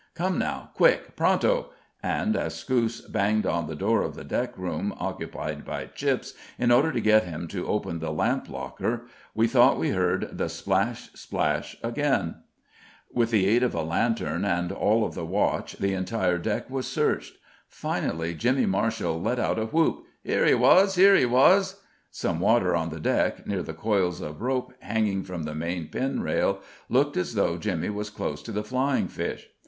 "Come now quick. Pronto!" and as Scouse banged on the door of the deck room occupied by Chips, in order to get him to open the lamp locker, we thought we heard the "splash, splash" again. [Illustration: Joe] With the aid of a lantern and all of the watch the entire deck was searched. Finally, Jimmy Marshall let out a whoop, "Here he was! Here he was!" Some water on the deck, near the coils of rope hanging from the main pin rail, looked as though Jimmy was close to the flying fish.